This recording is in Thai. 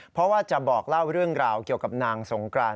เพราะว่าจะบอกเล่าเรื่องราวเกี่ยวกับนางสงกราน